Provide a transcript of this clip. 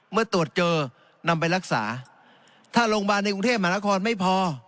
เมื่อตรวจเจอนำไปรักษาถ้าโรงพยาบาลในกรุงเทพมหานครไม่พอ